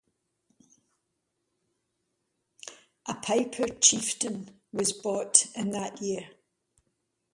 A Piper Chieftain was bought in that year.